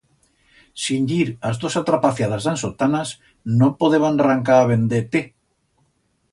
Sin yir as dos atrapaciadas d'ansotanas no podeban rancar a vender té.